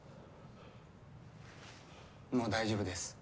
もう大丈夫です。